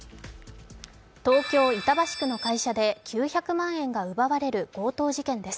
東京・板橋区の会社で９００万円が奪われる強盗事件です。